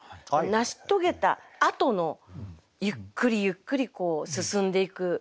成し遂げたあとのゆっくりゆっくりこう進んでいく。